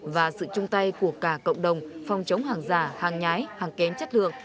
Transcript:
và sự chung tay của cả cộng đồng phòng chống hàng giả hàng nhái hàng kém chất lượng